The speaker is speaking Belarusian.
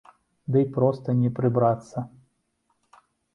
Дый проста не прыбрацца.